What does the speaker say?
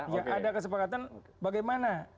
ya ada kesepakatan bagaimana